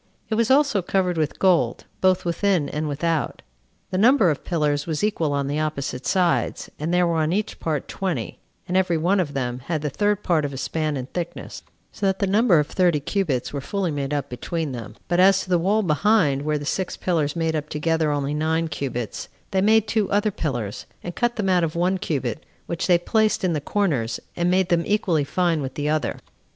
It was also covered with gold, both within and without. The number of pillars was equal on the opposite sides, and there were on each part twenty, and every one of them had the third part of a span in thickness; so that the number of thirty cubits were fully made up between them; but as to the wall behind, where the six pillars made up together only nine cubits, they made two other pillars, and cut them out of one cubit, which they placed in the corners, and made them equally fine with the other.